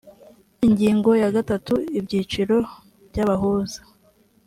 ingingo ya gatatu ibyiciro byabahuza